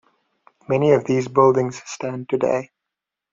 Many of these buildings stand today.